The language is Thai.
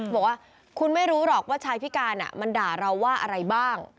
บอกว่าคุณไม่รู้หรอกว่าชายพิการมันด่าเราว่าอะไรบ้าง